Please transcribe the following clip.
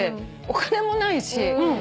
お金もないし。